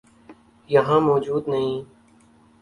یہاں موجود نہیں۔